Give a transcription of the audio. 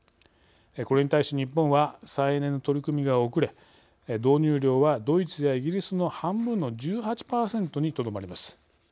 これに対し日本は再エネの取り組みが遅れ導入量はドイツやイギリスの半分の１８％にとどまります。